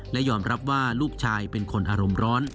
และยอมรับว่าลูกชายเป็นคนอารมณ์ร้อน